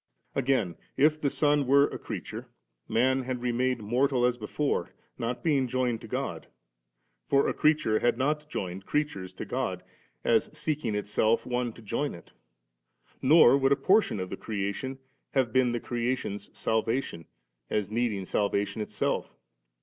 Again, if the Son were a creature, man had remained mortal as before, not being joined to God ; for a creature had not joined creatures to God, as seeking itself one to join it*; nor would a portion of the creation have been the creation's salvation, as needing sal vation itself.